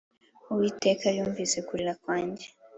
Uwiteka yumvise kurira kwanjye